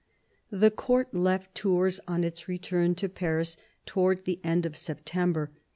The Court left Tours on its return to Paris towards the end of September.